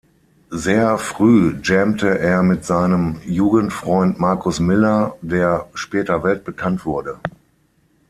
Sehr früh jammte er mit seinem Jugendfreund Marcus Miller, der später weltbekannt wurde.